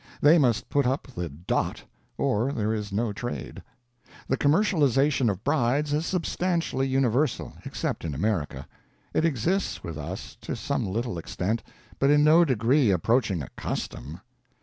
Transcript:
They must put up the "dot," or there is no trade. The commercialization of brides is substantially universal, except in America. It exists with us, to some little extent, but in no degree approaching a custom.